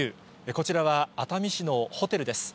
こちらは、熱海市のホテルです。